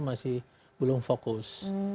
masih belum fokus